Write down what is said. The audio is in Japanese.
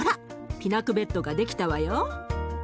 ピナクベットが出来たわよ。